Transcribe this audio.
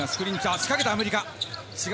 仕掛けたアメリカ。